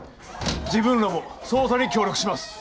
自分らも捜査に協力します